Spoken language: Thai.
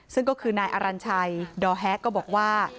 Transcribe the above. ซึ่งก็คือนายอรัญชัยดอแฮะก็บอกว่า